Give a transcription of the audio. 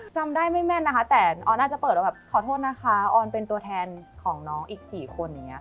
จำได้ไม่แม่นนะคะแต่ออนอาจจะเปิดว่าขอโทษนะคะออนเป็นตัวแทนของน้องอีก๔คน